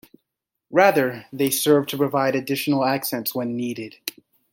Rather, they serve to provide additional accents when needed.